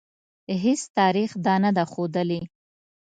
هیڅ تاریخ دا نه ده ښودلې.